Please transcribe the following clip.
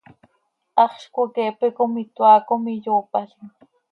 Haxz cmoqueepe com itoaa com iyoopalim.